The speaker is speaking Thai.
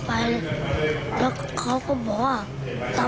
แล้วเขาก็ตีครับ